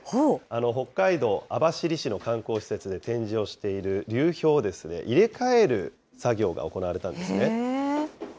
北海道網走市の観光施設で展示をしている流氷を入れ替える作業が行われたんですね。